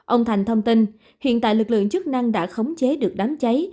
ông thành thông tin hiện tại lực lượng chức năng đã khống chế được đám cháy